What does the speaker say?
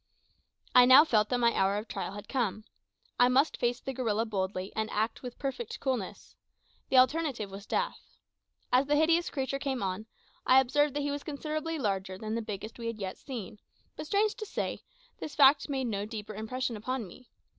I now felt that my hour of trial had come. I must face the gorilla boldly, and act with perfect coolness. The alternative was death. As the hideous creature came on, I observed that he was considerably larger than the biggest we had yet seen; but, strange to say, this fact made no deeper impression upon me.